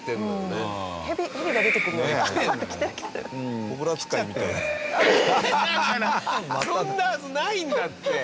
だからそんなはずないんだって！